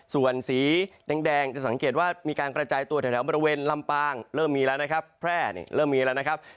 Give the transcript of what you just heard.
ส่วนสีแดงจะสังเกตว่ามีการกระจายตัวแถวบริเวณลำปางเริ่มมีแล้วนะครับแพร่เริ่มมีแล้วนะครับ